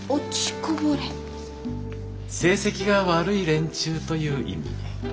成績が悪い連中という意味。